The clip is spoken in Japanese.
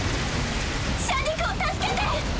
シャディクを助けて！